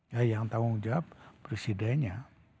ya yang tanggung jawab presidennya